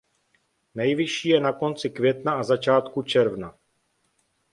Nejvyšší je na konci května a začátku června.